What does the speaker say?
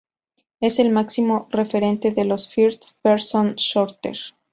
Es el máximo referente de los first-person shooter".